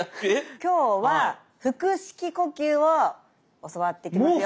今日は腹式呼吸を教わっていきますよ。